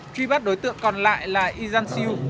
truy bắt đối tượng còn lại là y gian siu